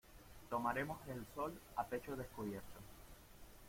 tomaremos el sol a pecho descubierto.